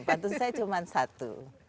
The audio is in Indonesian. pantun saya cuma satu